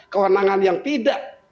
kewenangan yang tidak